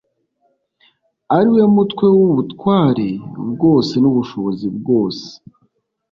ari we mutwe w'ubutware bwose n'ubushobozi bwose